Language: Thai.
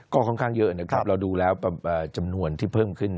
ก็ค่อนข้างเยอะนะครับเราดูแล้วจำนวนที่เพิ่มขึ้น